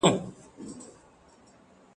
انسان بايد تل د حق ملاتړ وکړي.